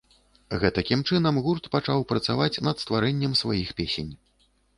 Гэтакім чынам гурт пачаў працаваць над стварэннем сваіх песень.